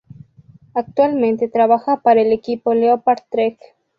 Actualmente trabaja para el equipo Leopard Trek.